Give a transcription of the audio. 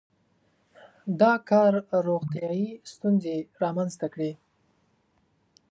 • دا کار روغتیايي ستونزې رامنځته کړې.